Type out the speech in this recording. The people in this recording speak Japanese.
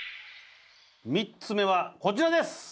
３つ目はこちらです。